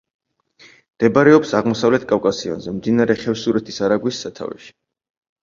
მდებარეობს აღმოსავლეთ კავკასიონზე, მდინარე ხევსურეთის არაგვის სათავეში.